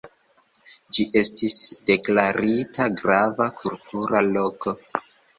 Ĝi estis deklarita Grava Kultura Loko.